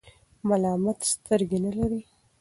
ملامت سترګي نلری .